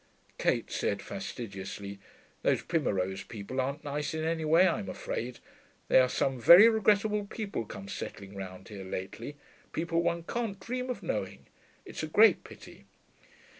Kate said, fastidiously, 'Those Primmerose people aren't nice in any way, I'm afraid. There are some very regrettable people come settling round here lately people one can't dream of knowing. It's a great pity.'